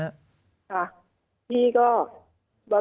ค่ะพี่ก็